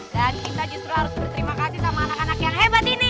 dan kita justru harus berterima kasih sama anak anak yang hebat ini